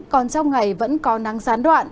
còn trong ngày vẫn có nắng sán đoạn